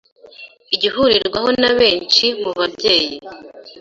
Igihurirwaho na benshi mu babyeyi